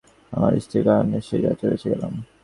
আমার স্ত্রীর কারণে সেই যাত্রা বেঁচে গেলাম।